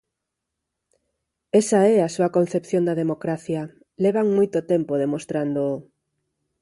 Esa é a súa concepción da democracia, levan moito tempo demostrándoo.